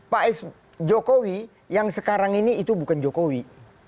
pak jokowi yang sekarang ini itu bukan jokowi